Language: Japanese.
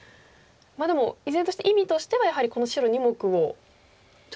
まあでも依然として意味としてはやはりこの白２目をちょっと攻めたいような。